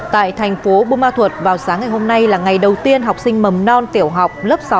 tại thành phố bumathuot vào sáng ngày hôm nay là ngày đầu tiên học sinh mầm non tiểu học lớp sáu